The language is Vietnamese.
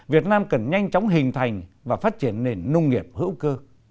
việt nam cần nhanh chóng hình thành và phát triển nền nông nghiệp hữu cơ